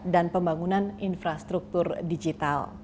dan pembangunan infrastruktur digital